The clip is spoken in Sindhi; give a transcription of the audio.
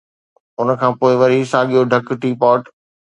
ان کان پوءِ وري ساڳيو ڍڪ ٽي پاٽ.